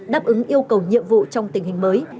đáp ứng yêu cầu nhiệm vụ trong tình hình mới